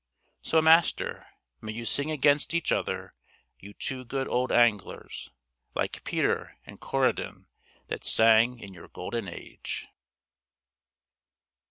So, Master, may you sing against each other, you two good old anglers, like Peter and Corydon, that sang in your golden age.